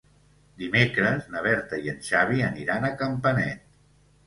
Dimecres na Berta i en Xavi aniran a Campanet.